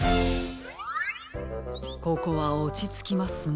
ここはおちつきますね。